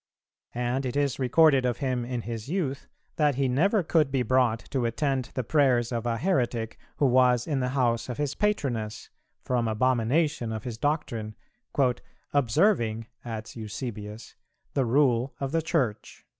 And it is recorded of him in his youth, that he never could be brought to attend the prayers of a heretic who was in the house of his patroness, from abomination of his doctrine, "observing," adds Eusebius, "the rule of the Church."